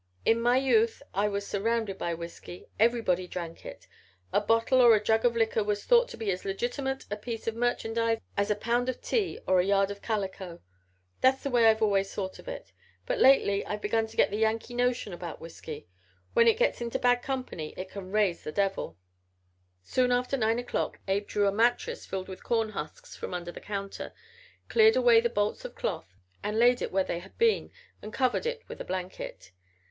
In my youth I was surrounded by whisky. Everybody drank it. A bottle or a jug of liquor was thought to be as legitimate a piece of merchandise as a pound of tea or a yard of calico. That's the way I've always thought of it. But lately I've begun to get the Yankee notion about whisky. When it gets into bad company it can raise the devil." Soon after nine o'clock Abe drew a mattress filled with corn husks from under the counter, cleared away the bolts of cloth and laid it where they had been and covered it with a blanket.